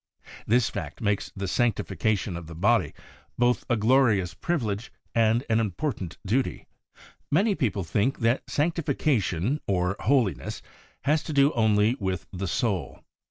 This fact makes the Sanctification HOLINESS AND SANCTIFICATION 37 of the body both a glorious privilege and an important duty. Many people think that Sanctification, or Holiness, has to do only with the soul.